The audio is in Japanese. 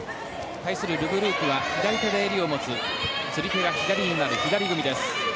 対するル・ブルークは左で襟を持つ釣り手が左になる左組みです。